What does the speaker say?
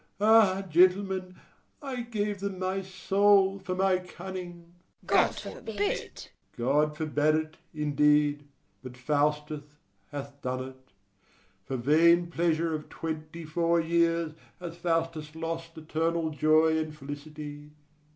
Ah, gentlemen, I gave them my soul for my cunning! ALL. God forbid! FAUSTUS. God forbade it, indeed; but Faustus hath done it: for vain pleasure of twenty four years hath Faustus lost eternal joy and felicity.